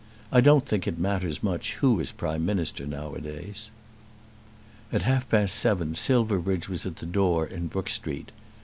I don't think it much matters who is Prime Minister nowadays." At half past seven Silverbridge was at the door in Brook Street.